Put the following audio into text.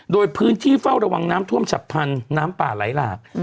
โดยพื้นที่เฝ้าระวังน้ำท่วมฉับพันธุ์น้ำป่าไหลหลาก